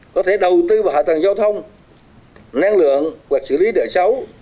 có thể đầu tư vào hạ tầng giao thông năng lượng hoặc xử lý đợi sau